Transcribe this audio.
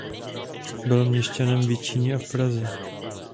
Byl měšťanem v Jičíně a v Praze.